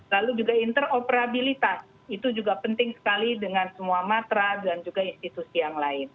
lalu juga interoperabilitas itu juga penting sekali dengan semua matra dan juga institusi yang lain